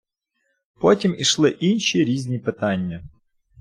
Потім ішли інші різні питання.